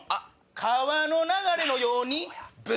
川の流れのようにブ！